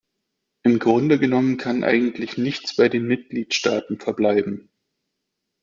Im Grunde genommen kann eigentlich nichts bei den Mitgliedstaaten verbleiben.